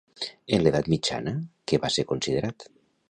En l'edat mitjana, què va ser considerat?